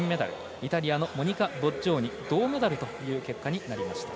イタリアのモニカ・ボッジョーニ銅メダルという結果。